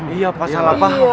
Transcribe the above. iya pak salah paham